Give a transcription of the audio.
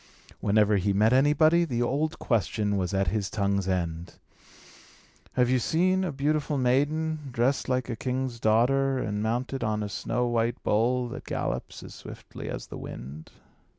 Whenever he met anybody, the old question was at his tongue's end: "Have you seen a beautiful maiden, dressed like a king's daughter, and mounted on a snow white bull, that gallops as swiftly as the wind?"